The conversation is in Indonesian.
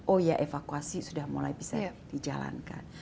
oh ya evakuasi sudah mulai bisa dijalankan